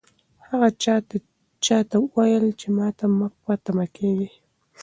هغه چا ته وویل چې ماته مه په تمه کېږئ.